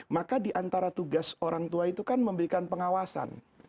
maka diantara tugas orang tua itu kan memberikan pengawasan